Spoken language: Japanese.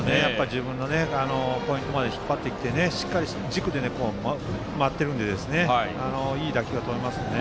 自分のポイントまで引っ張ってきてしっかり軸で回ってるのでいい打球が飛びますね。